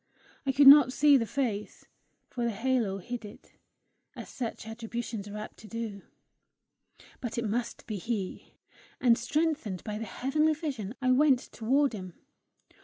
I could not see the face, for the halo hid it, as such attributions are apt to do, but it must be he; and strengthened by the heavenly vision, I went toward him.